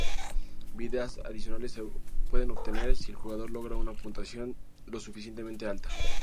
Vidas adicionales se pueden obtener si el jugador logra una puntuación lo suficientemente alta.